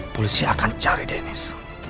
polisi akan cari dennis